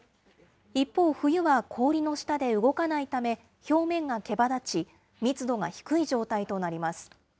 一方、冬は氷の下で動かないため、表面がけばだち、密度が低い状態となります。